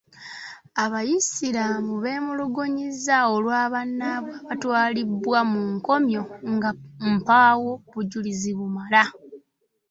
Abayisiraamu beemulugunyiza olw'abannaabwe abatwalibwa mu nkomyo nga mpaawo bujulizi bumala.